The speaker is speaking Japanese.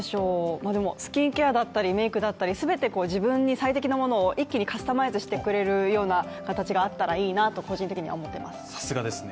でも、スキンケアだったりメイクだったり全て自分に最適なものを一気にカスタマイズしてくれるような形があったらいいなと個人的には思ってます。